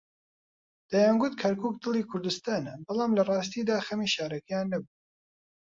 دەیانگوت کەرکووک دڵی کوردستانە، بەڵام لەڕاستیدا خەمی شارەکەیان نەبوو.